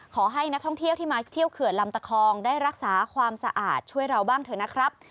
ขอให้นักท่องเที่ยวที่มาเที่ยวเขื่อนลำตะคองได้รักษาความสะอาดช่วยเราบ้างเถอะนะครับ